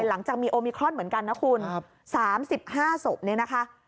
หลังจากมีโอมิครอนเหมือนกันนะคุณ๓๕ศพเนี่ยนะคะ